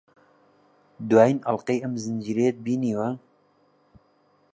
دوایین ئەڵقەی ئەم زنجیرەیەت بینیوە؟